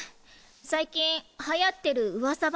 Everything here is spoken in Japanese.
最近流行ってる噂話。